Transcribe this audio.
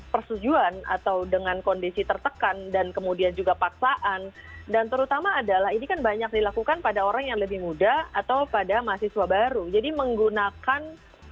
persetujuan atau dengan kondisi tertekan dan kemudian juga paksaan dan terutama adalah ini kan banyak dilakukan pada orang yang lebih muda atau pada mahasiswa baru jadi menggunakan